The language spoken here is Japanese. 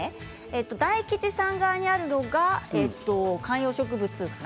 大吉さん側にあるのが観葉植物かな。